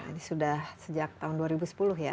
ini sudah sejak tahun dua ribu sepuluh ya